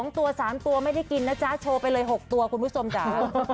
๒ตัว๓ตัวไม่ได้กินนะจ๊ะโชว์ไปเลย๖ตัวคุณผู้ชมจ๋า